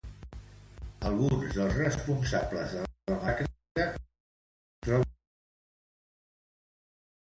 Alguns dels responsables de la massacre es troben encara en parador desconegut.